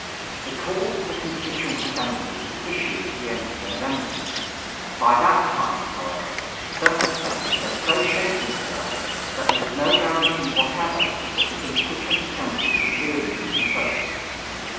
The call for the Constituent Assembly was issued for the end of November. By that time, however, circumstances had so shaped themselves that there was no guarantee whatever that the Constituent Assembly would really be convoked.